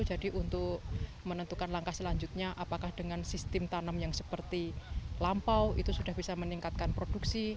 jadi untuk menentukan langkah selanjutnya apakah dengan sistem tanam yang seperti lampau itu sudah bisa meningkatkan produksi